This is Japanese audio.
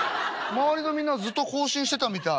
周りのみんなずっと行進してたみたい」。